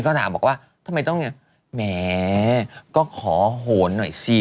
บอกว่าทำไมต้องเนี้ยแหมก็ขอโหนหน่อยสิ